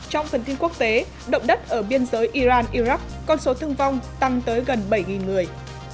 trong phần tin quốc tế động đất ở biên giới iran iraq con số thương vong tăng tới gần bảy người